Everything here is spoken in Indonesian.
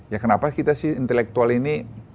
ya kenapa kita sih intelektual ini